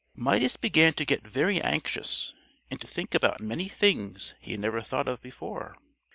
Midas began to get very anxious and to think about many things he had never thought of before.